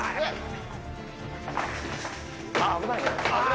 危ないな。